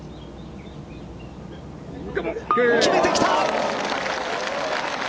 決めてきた。